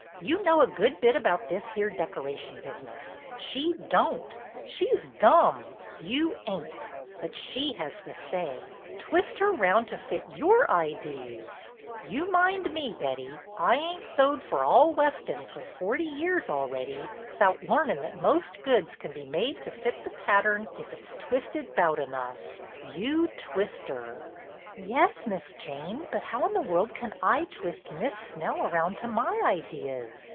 You know a good bit about this here decoration business. She don't. She 's dumm. You ain't. But she has the say. Twist her 'round to fit your idees. You mind me, Betty; I ain't sewed fer all Weston fer forty years already 'thout learnin' that most goods can be made 14 210 BETTY BAIRD'S GOLDEN YEAR to fit the pattern T it 's twisted Tout Tough. You twist her.'' ''Yes, Miss Jane, but how in the world can I twist Miss Snell around to my ideas